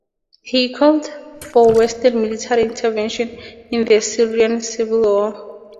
He called for Western military intervention in the Syrian Civil War.